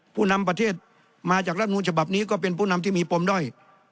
ผู้นำประเทศมาจากรัฐมนูลฉบับนี้ก็เป็นผู้นำที่มีปมด้อย